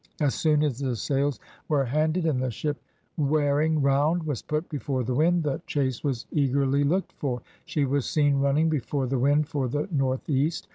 As soon as the sails were handed, and the ship wearing round was put before the wind, the chase was eagerly looked for; she was seen running before the wind for the northeast.